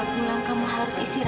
kak fah kamu harus tidur ya